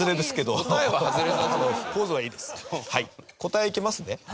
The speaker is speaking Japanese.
答えいきますね。